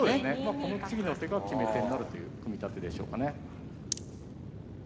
この次の手が決め手になるという組み立てでしょうかね。